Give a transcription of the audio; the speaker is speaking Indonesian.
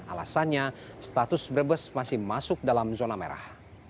alasannya status brebes masih masuk dalam zona merah